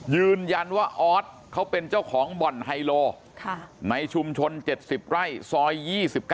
ยืนยันว่าออสเขาเป็นเจ้าของบ่อนไฮโลในชุมชน๗๐ไร่ซอย๒๙